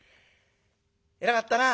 偉かったな。